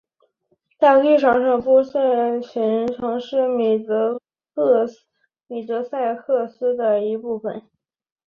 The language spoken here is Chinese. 在历史上波普勒曾是米德塞克斯的一部分。